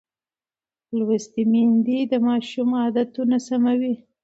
لوستې میندې د ماشوم عادتونه سموي.